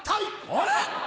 あれ？